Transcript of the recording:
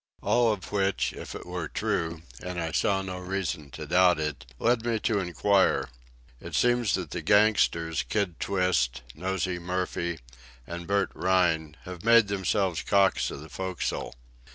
All of which, if it were true, and I saw no reason to doubt it, led me to inquire. It seems that the gangsters, Kid Twist, Nosey Murphy, and Bert Rhine, have made themselves cocks of the forecastle.